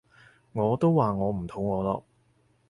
我都話我唔肚餓咯